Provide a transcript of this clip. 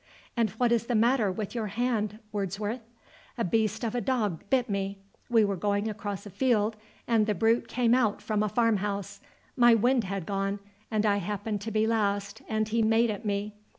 "And what is the matter with your hand, Wordsworth?" "A beast of a dog bit me. We were going across a field, and the brute came out from a farmhouse. My wind had gone, and I happened to be last and he made at me.